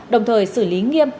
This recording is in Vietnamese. đồng thời xử lý nghiêm